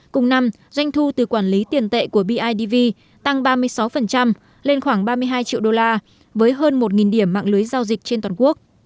cùng năm doanh thu từ quản lý tiền tệ của bidv tăng ba mươi sáu lên khoảng ba mươi hai triệu đô la với hơn một điểm mạng lưới giao dịch trên toàn quốc